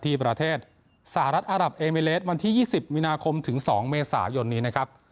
ที่ประเทศสหรัฐอัตรับเอเมเลสวันที่ยี่สิบมินาคมถึงสองเมษายนนี้นะครับ